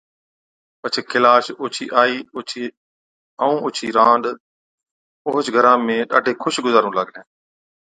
پڇي ڪيلاش، اوڇِي آئِي ائُون اوڇِي رانڏ اوهچ گھرا ۾ ڏاڍين خُوش گُذارُون لاگلين۔